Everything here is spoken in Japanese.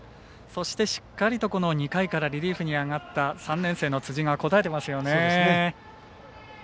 しっかりと２回からリリーフに上がった３年生の辻が応えてますよね。